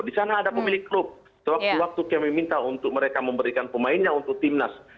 di sana ada pemilik klub sewaktu waktu kami minta untuk mereka memberikan pemainnya untuk timnas